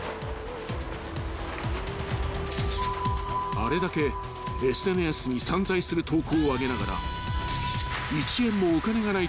［あれだけＳＮＳに散財する投稿を上げながら］